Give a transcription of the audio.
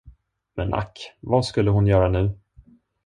Men ack, vad skulle hon göra nu?